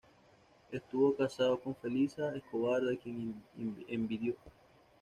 Estuvo casado con Felisa Escobar de quien enviudó.